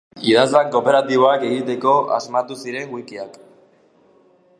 Idazlan kooperatiboak egiteko asmatu ziren wikiak.